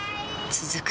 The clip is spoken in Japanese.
続く